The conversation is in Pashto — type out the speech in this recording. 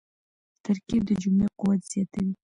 ترکیب د جملې قوت زیاتوي.